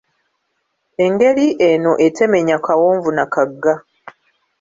Engeri eno etemenya kawonvu na kagga.